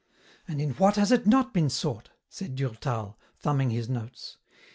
"And in what has it not been sought?" said Durtal, thumbing his notes.